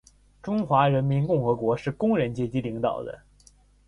中华人民共和国是工人阶级领导的